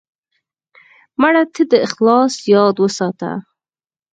مړه ته د اخلاص یاد وساته